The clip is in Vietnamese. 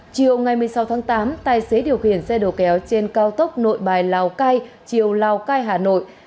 chiều ngày một mươi sáu tháng tám tài xế điều khiển xe đầu kéo trên cao tốc nội bài lào cai chiều lào cai hà nội